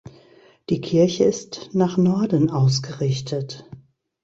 Die Kirche ist nach Norden ausgerichtet.